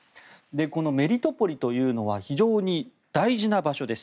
このメリトポリというのは非常に大事な場所です。